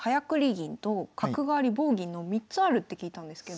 銀と角換わり棒銀の３つあるって聞いたんですけど。